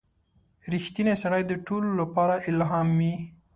• رښتینی سړی د ټولو لپاره الهام وي.